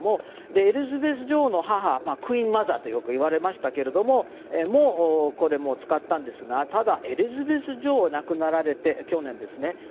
エリザベス女王の母クイーン・マザーとよくいわれましたがこれを使ったんですがただ、エリザベス女王が亡くなられてからは去年ですね。